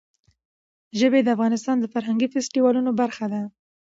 ژبې د افغانستان د فرهنګي فستیوالونو برخه ده.